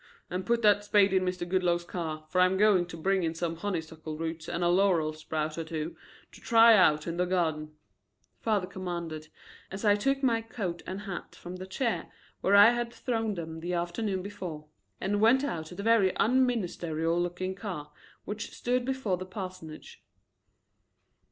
And put that spade in Mr. Goodloe's car, for I'm going to bring in some honeysuckle roots and a laurel sprout or two to try out in the garden," father commanded, as I took my coat and hat from the chair where I had thrown them the afternoon before, and went out to the very unministerial looking car which stood before the parsonage.